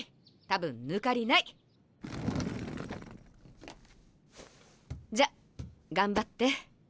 多分抜かりない！じゃ頑張って。